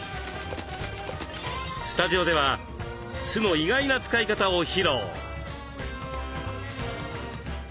スタジオでは酢の意外な使い方を披露。